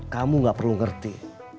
kamu gak perlu ngerti